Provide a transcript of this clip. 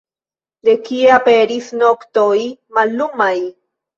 De kie aperis noktoj mallumaj?